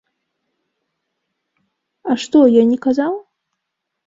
А што, я не казаў?